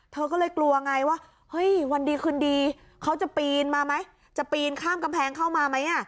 เธอก็เลยกลัวไงว่าเฮ้ยวันดีคืนดีเขาจะปีนมาไหมจะปีนข้ามกำแพงเข้ามาไหม